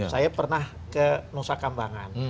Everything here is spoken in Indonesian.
saya pernah ke nusa kambangan